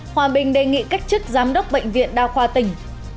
hòa bình đề nghị cách chức giám đốc bệnh viện đa khoa tỉnh